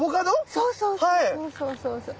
そうそうそうそう。